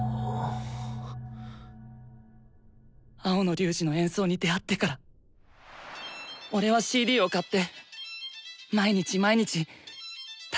青野龍仁の演奏に出会ってから俺はＣＤを買って毎日毎日ただ繰り返し聴いて練習した。